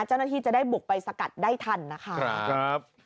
เจ้าหน้าที่จะได้บุกไปสกัดได้ทันนะคะ